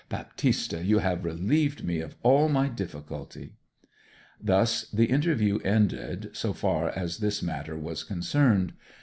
Baptista, you have relieved me of all my difficulty!' Thus the interview ended, so far as this matter was concerned.